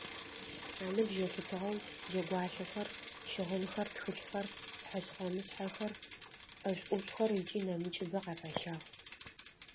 Аныбжь елъытыгъэу джэгуалъэхэр, щыгъынхэр, тхылъхэр, пхъэшъхьэ-мышъхьэхэр, ӏэшӏу-ӏушӏухэр ыкӏи нэмыкӏыбэ къафащагъ.